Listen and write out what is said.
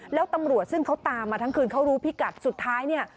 แล้วตำรวจซึ่งเขาตามมาทั้งคืนเขารู้พิกัดสุดท้ายเนี่ย